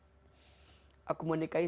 aku mau nikah dengan allah swt